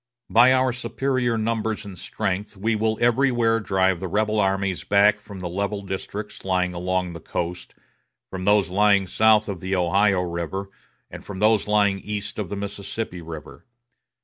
By our superior numbers and strength we will everywhere drive the rebel armies back from the level districts lying along the coast, from those lying south of the Ohio River, and from those lying east of the Mississippi River.